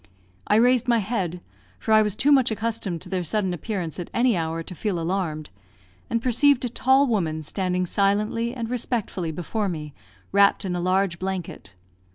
I raised my head, for I was too much accustomed to their sudden appearance at any hour to feel alarmed, and perceived a tall woman standing silently and respectfully before me, wrapped in a large blanket.